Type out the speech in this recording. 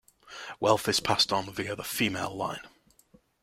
Wealth is passed on via the female line.